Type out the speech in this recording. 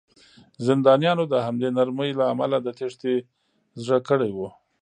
زندانیانو د همدې نرمۍ له امله د تېښتې زړه کړی و